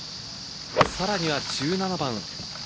さらには１７番。